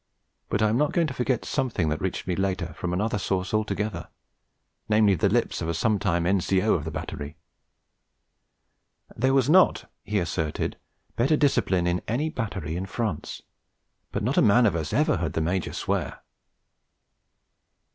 But I am not going to forget something that reached me later from another source altogether, namely the lips of a sometime N.C.O. of the Battery. 'There was not,' he asserted, 'better discipline in any battery in France. But not a man of us ever heard the Major swear.'